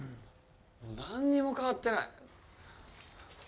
何にも変わってない。